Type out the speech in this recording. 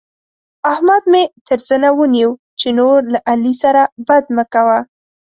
احمد مې تر زنه ونيو چې نور له علي سره بد مه کوه.